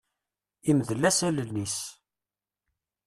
Imdel-as allen-is.